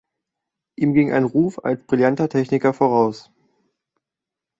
Ihm ging ein Ruf als brillanter Techniker voraus.